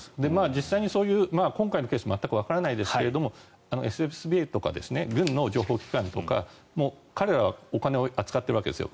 実際にそういう、今回のケースも全くわからないですがＦＳＢとか軍の情報機関とか彼らはお金を扱っているわけですよ。